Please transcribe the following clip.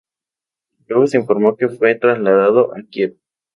Luego se informó que fue trasladado a Kiev.